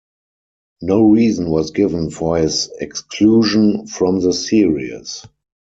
No reason was given for his exclusion from the series.